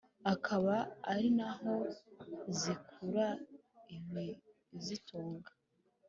akaba ari na ho zikura ibizitunga.